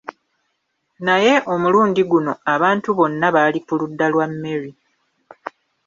Naye omulundi guno abantu bonna baali ku ludda lwa Merry.